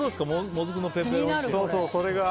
もずくのペペロンチーノ。